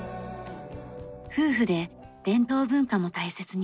夫婦で伝統文化も大切にしています。